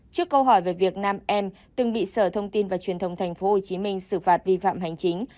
trước câu hỏi về việc nam em từng bị sở thông tin và truyền thông tp hcm xử phạt vi phạm hành chính